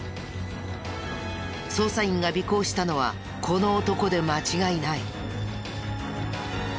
捜査員が尾行したのはこの男で間違いない。